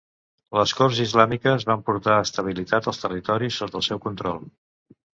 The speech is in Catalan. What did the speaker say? Les Corts Islàmiques van portar estabilitat als territoris sota el seu control.